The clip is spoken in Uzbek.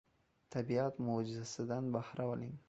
Tabiat moʻjizasidan bahra oling.